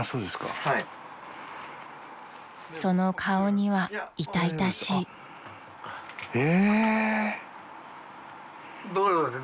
［その顔には痛々しい］え！？